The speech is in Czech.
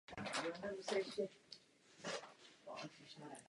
Kalich je zakončen laloky.